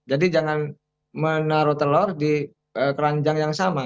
jadi jangan menaruh telur di keranjang yang sama